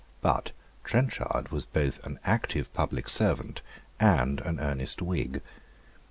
But Trenchard was both an active public servant and an earnest Whig.